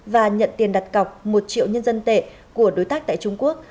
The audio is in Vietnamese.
và nhận tiền đặt cọc một triệu nhân dân tệ của đối tác tại trung quốc